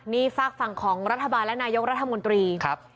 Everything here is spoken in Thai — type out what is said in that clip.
นี่ฝากฝั่งของรัฐบาลและนายกรัฐมนตรี